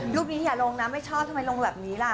รูปนี้อย่าลงนะไม่ชอบทำไมลงแบบนี้ล่ะ